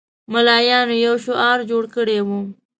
ملایانو یو شعار جوړ کړی وو.